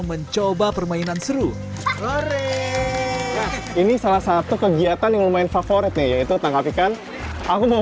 mencoba permainan seru ini salah satu kegiatan yang lumayan favorit nih yaitu tangkap ikan aku mau